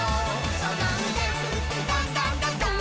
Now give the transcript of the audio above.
「そのうでふってドンドンドンドン」